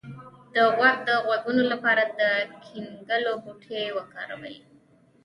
د غوږ د غږونو لپاره د ګینکګو بوټی وکاروئ